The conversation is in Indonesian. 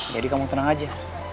jadi kamu tenang aja